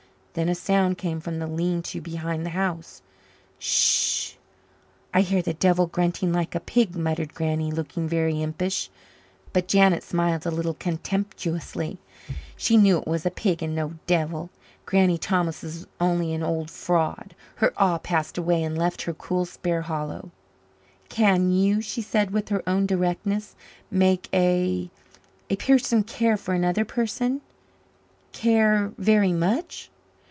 Then a sound came from the lean to behind the house. "S s h. I hear the devil grunting like a pig," muttered Granny, looking very impish. But Janet smiled a little contemptuously. She knew it was a pig and no devil. Granny Thomas was only an old fraud. Her awe passed away and left her cool Sparhallow. "Can you," she said with her own directness, "make a a person care for another person care very much?"